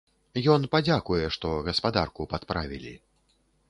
Ён падзякуе, што гаспадарку падправілі.